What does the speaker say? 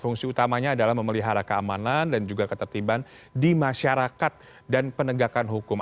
fungsi utamanya adalah memelihara keamanan dan juga ketertiban di masyarakat dan penegakan hukum